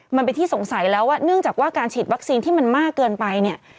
มันเป็นที่สงสัยแล้วว่าเนื่องจากว่าการฉีดวัคซีนที่มันมากเกินไปเนี่ย